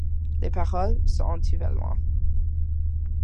Les paroles sont en tuvaluan.